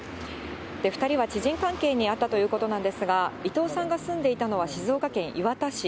２人は知人関係にあったということなんですが、伊藤さんが住んでいたのは静岡県磐田市。